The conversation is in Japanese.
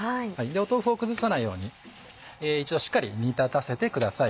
豆腐を崩さないように一度しっかり煮立たせてください。